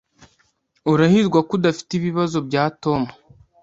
Urahirwa ko udafite ibibazo bya Tom.